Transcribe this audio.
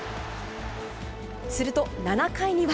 すると７回には。